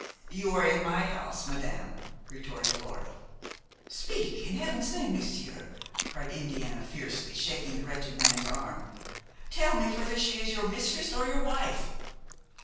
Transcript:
"You are in my house, madame," retorted Laure. "Speak, in heaven's name, monsieur," cried Indiana fiercely, shaking the wretched man's arm; "tell me whether she is your mistress or your wife!"